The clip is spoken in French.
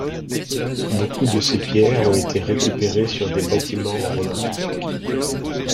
Beaucoup de ces pierres ont été récupérées sur des bâtiments romains.